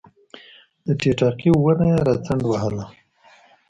د ټیټاقې ونه یې راڅنډ وهله